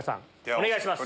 お願いします。